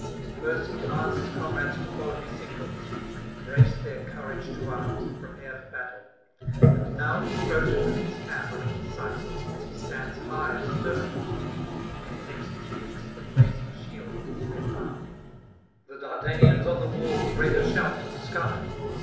First he commands his comrades to follow his signals, brace their courage to arms and prepare for battle. And now his Trojans and his camp are in his sight as he stands high astern, when next he lifts the [262 296]blazing shield on his left arm. The Dardanians on the walls raise a shout to the sky.